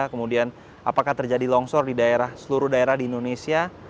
kemudian apakah terjadi longsor di seluruh daerah di indonesia